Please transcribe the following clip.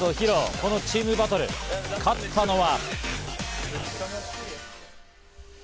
このチームバトル、勝ったのは。